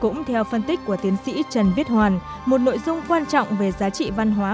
cũng theo phân tích của tiến sĩ trần viết hoàn một nội dung quan trọng về giá trị văn hóa